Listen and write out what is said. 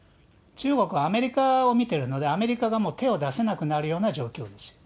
中国はアメリカを見てるので、アメリカがもう手を出せなくなるような状況ですよ。